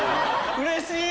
うれしい！